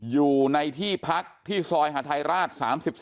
อยู่ในที่พักที่ซอยหาทัยราช๓๒